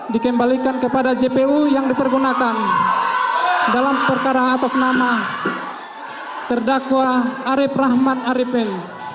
dikembalikan kepada jpu yang dipergunakan dalam perkara atas nama terdakwa arief rahman arifin